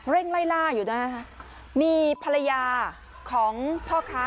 เร่งไล่ล่าอยู่กันต่อฮะมีภรรยาของพ่อค้า